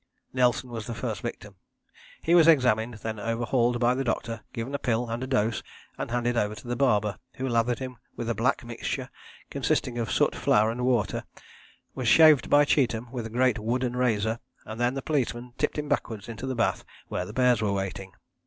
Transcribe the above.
Nelson was the first victim. He was examined, then overhauled by the doctor, given a pill and a dose, and handed over to the barber, who lathered him with a black mixture consisting of soot, flour and water, was shaved by Cheetham with a great wooden razor, and then the policemen tipped him backwards into the bath where the bears were waiting.